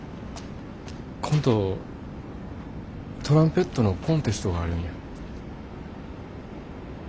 今度トランペットのコンテストがあるんや。